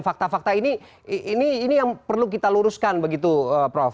fakta fakta ini yang perlu kita luruskan begitu prof